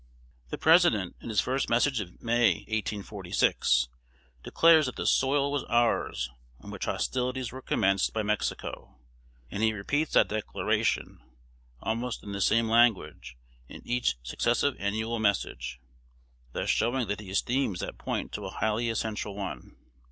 The President, in his first Message of May, 1846, declares that the soil was ours on which hostilities were commenced by Mexico; and he repeats that declaration, almost in the same language, in each successive annual Message, thus showing that he esteems that point a highly essential one.